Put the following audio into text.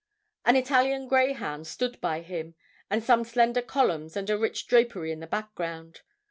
An Italian greyhound stood by him, and some slender columns and a rich drapery in the background.